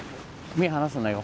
目離すなよ。